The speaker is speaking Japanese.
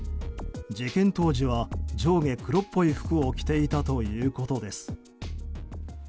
事件当時は上下黒っぽい服を着ていたということです。